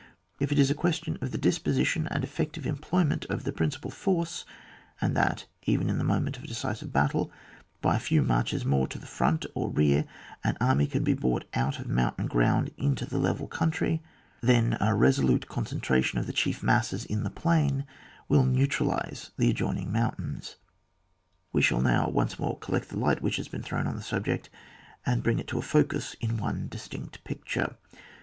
If it is a question of the disposition and effective employment of the principal force, and that, even in the moment of a decisive battle, by a few marches more to the &ont or rear an army can be brought out of mountain ground into the level coimtry, then a resolute concentration of the chief masses in the plain will neu tralise the adjoining mountains. We shall now once more collect the light which has been thrown on the sub ject, and bring it to a focus in one distinct picture.